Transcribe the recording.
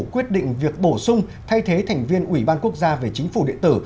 quyết định việc bổ sung thay thế thành viên ủy ban quốc gia về chính phủ điện tử